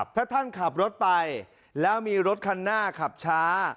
ถ้าท่านขับรถไปแล้วมีรถคันหน้าขับช้า